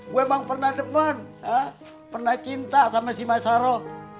gue emang pernah depan pernah cinta sama si mai saro